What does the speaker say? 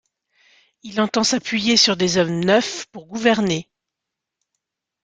Il entend s’appuyer sur des hommes neufs pour gouverner.